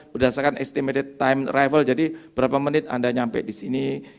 berdasarkan estimated time arrival jadi berapa menit anda sampai disini